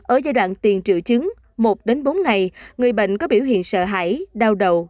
ở giai đoạn tiền triệu chứng một đến bốn ngày người bệnh có biểu hiện sợ hãi đau đầu